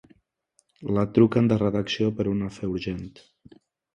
La truquen de redacció per un afer urgent.